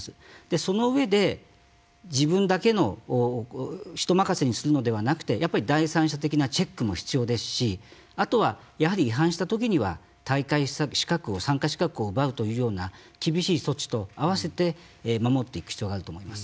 その上で人任せにするのではなくてやっぱり第三者的なチェックも必要ですしあとはやはり違反したときには大会資格を参加資格を奪うというような厳しい措置とあわせて守っていく必要があると思います。